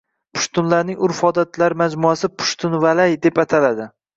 Pushtunlarning urf-odatlar majmuasi Pushtunvalay deb ataladi.